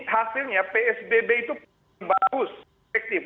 hasilnya psbb itu bagus efektif